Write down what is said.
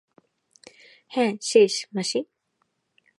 হ্যাঁ, শেষ, মাসি।